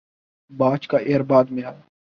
باچ کا ایئر بعد میں آیا